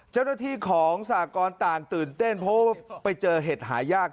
เจ้าหน้าที่ของสากรต่างตื่นเต้นเพราะว่าไปเจอเห็ดหายาก